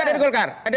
eh tidak dimana